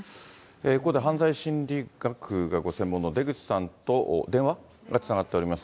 ここで犯罪心理学がご専門の出口さんと電話がつながっています。